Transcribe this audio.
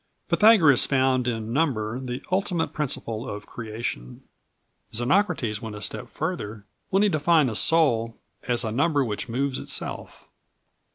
Pythagoras found in number the ultimate principle of creation. Xenocrates went a step farther when he defined the soul as "a number which moves itself."